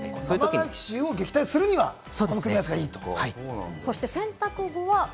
生乾き臭を撃退するためにはこの組み合わせがいいと。